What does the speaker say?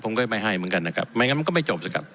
ผมก็ไม่ให้เหมือนกันนะครับไม่งั้นมันก็ไม่จบสิครับ